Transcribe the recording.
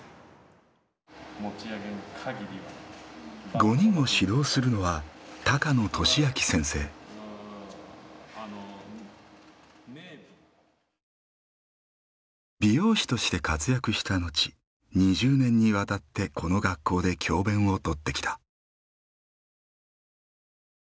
５人を指導するのは美容師として活躍した後２０年にわたってこの学校で教鞭をとってきた。